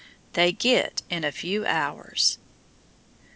They "git" in a few hours.